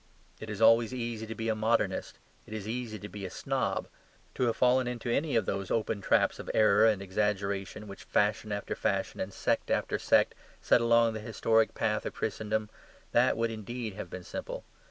It is always easy to be a modernist; as it is easy to be a snob. To have fallen into any of those open traps of error and exaggeration which fashion after fashion and sect after sect set along the historic path of Christendom that would indeed have been simple.